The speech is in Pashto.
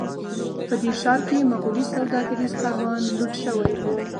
په دې ښار کې مغولي سوداګریز کاروان لوټ شوی و.